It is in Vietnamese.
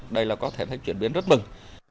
đây là có thể thấy chuyển biến rất mừng